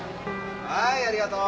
はいありがとう！